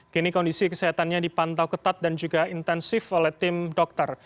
kini kondisi kesehatannya dipantau ketat dan juga intensif oleh tim dokter